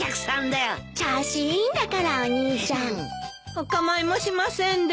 お構いもしませんで。